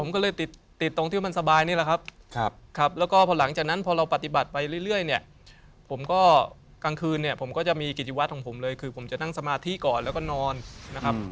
กลางคืนเนี่ยผมก็จะมีกิจวัตรของผมเลยคือผมจะนั่งสมาธิก่อนแล้วก็นอนนะครับ